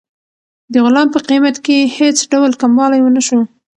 د غلام په قیمت کې هېڅ ډول کموالی ونه شو.